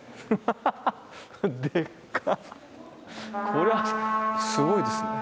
これはすごいですね。